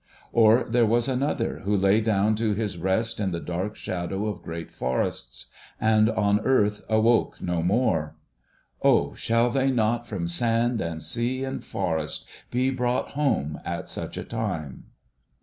Or there was another, who lay down to his rest in the dark shadow of great forests, and, on earth, awoke no more. O shall they not, from sand and sea and forest, be brought home at such a time